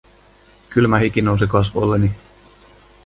Kylmä hiki nousi kasvoilleni!